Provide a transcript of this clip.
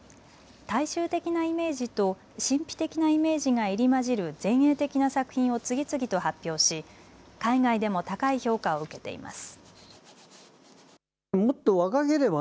大衆的なイメージと神秘的なイメージが入り交じる前衛的な作品を次々と発表し海外でも高い評価を受けています。